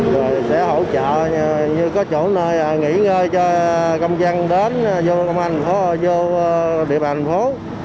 rồi sẽ hỗ trợ như có chỗ nơi nghỉ ngơi cho công dân đến vô địa bàn thành phố